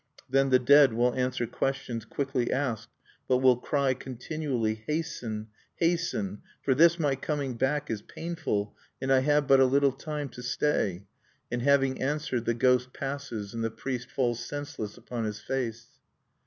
Then the dead will answer questions quickly asked, but will cry continually: "Hasten, hasten! for this my coming back is painful, and I have but a little time to stay!" And having answered, the ghost passes; and the priest falls senseless upon his face.